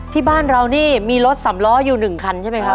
ที่บ้านเรานี่มีรถสำล้ออยู่๑คันใช่ไหมครับ